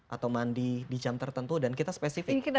atau mandi di jam tertentu dan kita spesifik